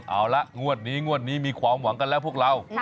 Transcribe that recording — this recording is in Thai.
เอาละงวดนี้งวดนี้มีความหวังกันแล้วพวกเรา